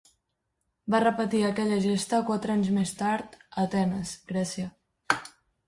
Va repetir aquella gesta quatre anys més tard a Atenes, Grècia.